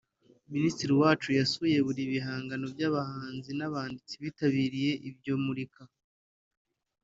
Minisitiri Uwacu yasuye buri bihangano by’abahanzi n’abanditsi birabiriye iryo murika